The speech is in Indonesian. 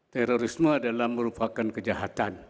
terorisme adalah merupakan kejahatan